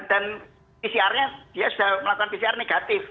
dan pcr nya dia sudah melakukan pcr negatif